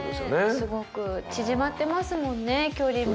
すごく縮まってますもんね距離も。